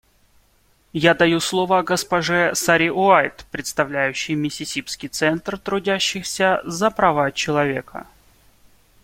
Я даю слово госпоже Саре Уайт, представляющей Миссисипский центр трудящихся за права человека.